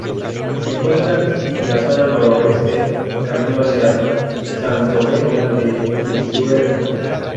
Se encuentra en la zona noroeste camino hacia Santovenia de Pisuerga.